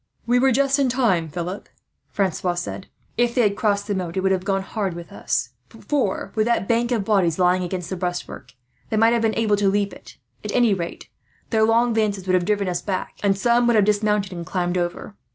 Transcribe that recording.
"We were just in time, Philip," Francois said. "If they had crossed the moat it would have gone hard with us; for, with that bank of bodies lying against the breastwork, they might have been able to leap it. At any rate, their long lances would have driven us back, and some would have dismounted and climbed over.